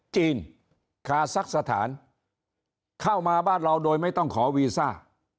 จีนคาซักสถานเข้ามาบ้านเราโดยไม่ต้องขอวีซ่า